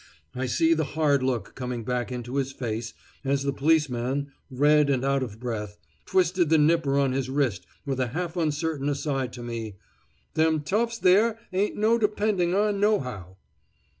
I see the hard look coming back into his face as the policeman, red and out of breath, twisted the nipper on his wrist, with a half uncertain aside to me: "Them toughs there ain't no depending on nohow."